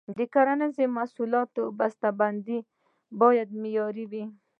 د کرنیزو محصولاتو بسته بندي باید معیاري وي.